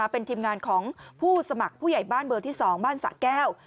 เป็นทีมงานของผู้สมัครผู้ใหญ่บ้านเบอร์ที่๒บ้านสะแก้ว